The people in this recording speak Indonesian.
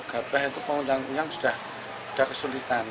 gapah itu pengurangan pengurangan sudah kesulitan